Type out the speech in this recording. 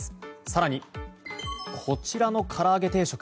更に、こちらの唐揚げ定食